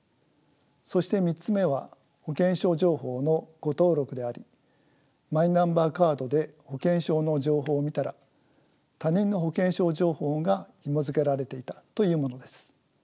そして３つ目は保険証情報の誤登録でありマイナンバーカードで保険証の情報を見たら他人の保険証情報がひもづけられていたというものです。